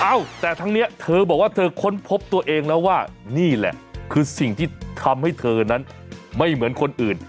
เอ้าแต่ทั้งนี้เธอบอกว่าเธอค้นพบตัวเองแล้วว่านี่แหละคือสิ่งที่ทำให้เธอนั้นไม่เหมือนคนอื่น